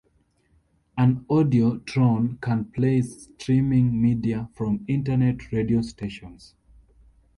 An AudioTron can play streaming media from Internet radio stations.